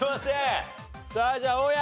さあじゃあ大家。